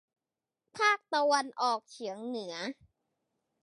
ภาคตะวันออกเฉียงเหนือ